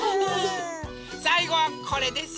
さいごはこれです。